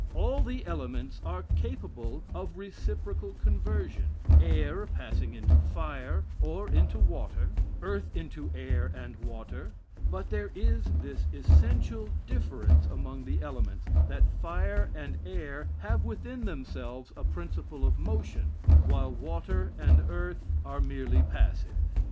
All the elements are capable of reciprocal conversion; air passing into fire, or into water; earth into air and water; but there is this essential difference among the elements, that fire and air have within themselves a principle of motion, while water and earth are merely passive....